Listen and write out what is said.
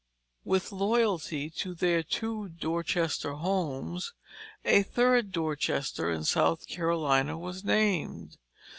With loyalty to their two Dorchester homes, a third Dorchester, in South Carolina, was named.